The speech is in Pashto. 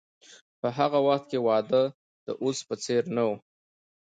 په هغه وخت کې واده د اوس په څیر نه و.